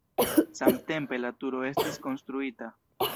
Samtempe la turo estis konstruita.